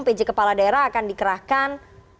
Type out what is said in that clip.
pj kepala daerah akan dikerahkan